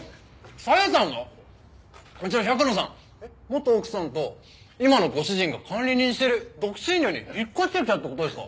紗代さんの？じゃあ百野さん元奥さんと今のご主人が管理人してる独身寮に引っ越してきたって事ですか？